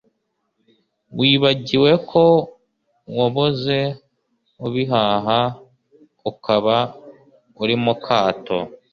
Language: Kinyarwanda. wibagiwe ko waboze ibihaha ukaba uri mu kato